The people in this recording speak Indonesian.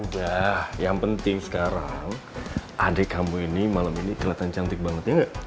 udah yang penting sekarang adik kamu ini malam ini kelihatan cantik banget ya nggak